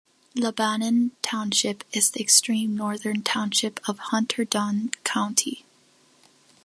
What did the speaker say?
Lebanon Township is the extreme northern township of Hunterdon County.